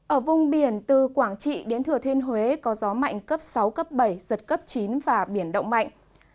ở vùng biển từ quảng trị đến thừa thiên huế có gió mạnh cấp sáu cấp bảy giật cấp chín và biển động mạnh